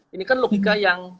ini kan logika yang